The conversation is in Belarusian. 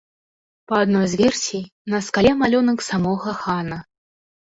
Па адной з версій, на скале малюнак самога хана.